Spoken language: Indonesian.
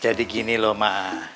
jadi gini loh ma